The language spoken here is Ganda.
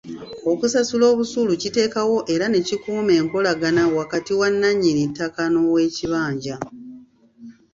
Okusasula obusuulu kiteekawo era ne kikuuma enkolagana wakati wa nnannyini ttaka n'ow'ekibanja.